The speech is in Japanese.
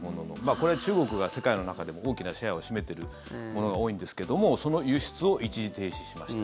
これは中国が世界の中でも大きなシェアを占めているものが多いんですけどもその輸出を一時停止しました。